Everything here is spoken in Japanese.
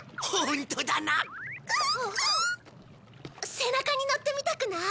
背中に乗ってみたくない？